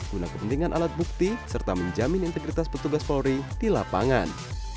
guna kepentingan alat bukti serta menjamin integritas petugas polri di lapangan